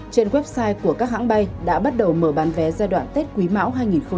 trên website của các hãng bay đã bắt đầu mở bán vé giai đoạn tết quý mão hai nghìn hai mươi